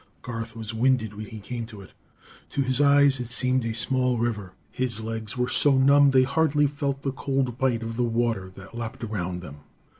Garth was winded when he came to it; to his eyes it seemed a small river. His legs were so numb they hardly felt the cold bite of the water that lapped around them.